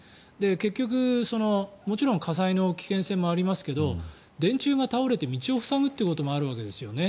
結局、もちろん火災の危険性もありますけど電柱が倒れて道を塞ぐこともあるわけですよね。